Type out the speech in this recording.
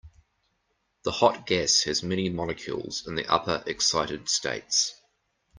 The hot gas has many molecules in the upper excited states.